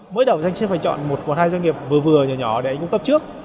mới đầu thì anh sẽ phải chọn một một hai doanh nghiệp vừa vừa nhỏ nhỏ để anh cung cấp trước